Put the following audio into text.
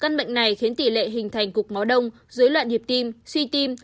này khiến tỷ lệ hình thành cục máu đông dưới loạn hiệp tim suy tim